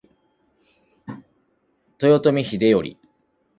豊臣秀頼